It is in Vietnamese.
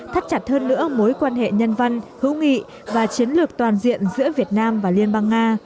thắt chặt hơn nữa mối quan hệ nhân văn hữu nghị và chiến lược toàn diện giữa việt nam và liên bang nga